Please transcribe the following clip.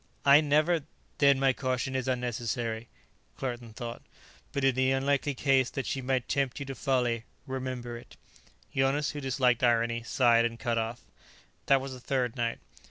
"I never " "Then my caution is unnecessary," Claerten thought. "But, in the unlikely case that she might tempt you to folly remember it." Jonas, who disliked irony, sighed and cut off. That was the third night.